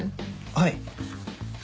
はい。